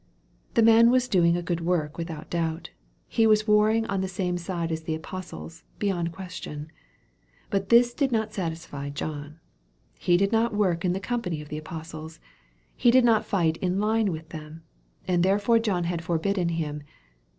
The man was doing a good work without doubt. He was warring on the same side as the apostles, beyond question. But this did not satisfy John. He did not work in the company of the apostles. He did not fight in line with them. And therefore John had forbidden him.